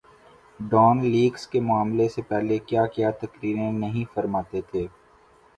Dawn leaks کے معاملے سے پہلے کیا کیا تقریریں نہیں فرماتے تھے۔